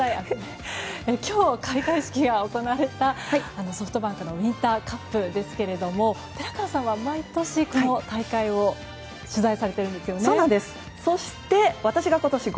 今日、開会式が行われたＳｏｆｔＢａｎｋウインターカップですけども寺川さんは毎年、この大会を取材されているんですよね。